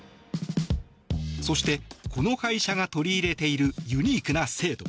そして、この会社が取り入れているユニークな制度。